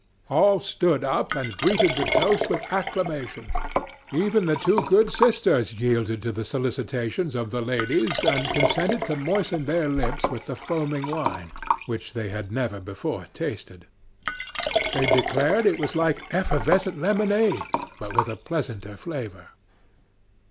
All stood up, and greeted the toast with acclamation. Even the two good sisters yielded to the solicitations of the ladies, and consented to moisten their lips with the foaming wine, which they had never before tasted. They declared it was like effervescent lemonade, but with a pleasanter flavor.